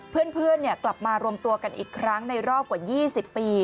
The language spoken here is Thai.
เพื่อนกลับมารวมตัวกันอีกครั้งในรอบกว่า๒๐ปี